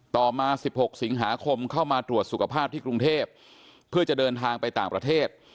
ต่อมา๑๖สิงหาคมเข้ามาตรวจสุขภาพที่กรุงเทพเพื่อจะเดินทางไปต่างประเทศ